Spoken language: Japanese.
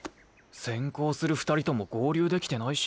先行する２人とも合流できてないし。